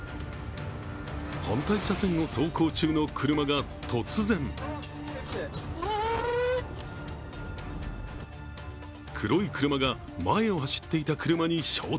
反対車線を走行中の車が突然黒い車が前を走っていた車に衝突。